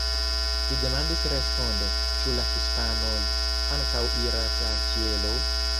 Li demandis responde: "Ĉu la hispanoj ankaŭ iras al ĉielo?